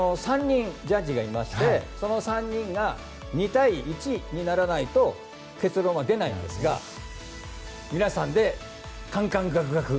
３人ジャッジがいましてその３人が２対１にならないと結論は出ないんですが皆さんで侃々諤々。